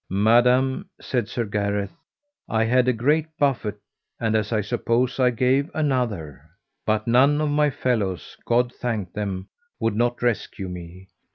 Madam, said Sir Gareth, I had a great buffet, and as I suppose I gave another, but none of my fellows, God thank them, would not rescue me.